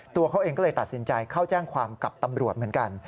ตัวเขาเองก็เลยตัดสินใจเข้าแจ้งความกับตำรวจเหมือนกัน